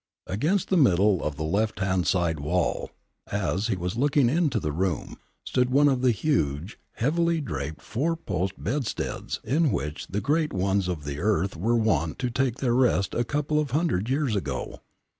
Against the middle of the left hand side wall, as he was looking into the room, stood one of the huge, heavily draped, four post bedsteads in which the great ones of the earth were wont to take their rest a couple of hundred years ago.